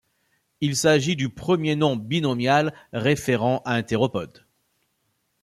Il s'agit du premier nom binomial référant à un théropode.